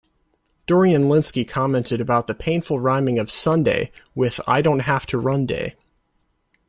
Dorian Lynskey commented about the painful rhyming of "Sunday" with "I-don't-have-to-run day.